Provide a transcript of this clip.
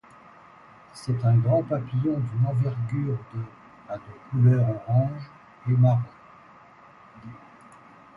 C'est un grand papillon d'une envergure de à de couleur orange et marron.